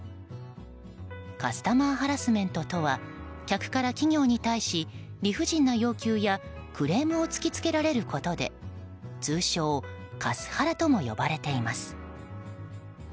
カスタマーハラスメントとは客から企業に対し理不尽な要求やクレームを突き付けられることで通称カスハラとも呼ばれています。